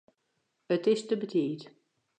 It is te betiid.